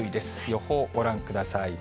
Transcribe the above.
予報ご覧ください。